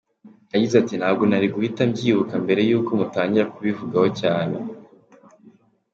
Yagize ati “Ntabwo nari guhita mbyibuka mbere y’uko mutangira kubivugaho cyane.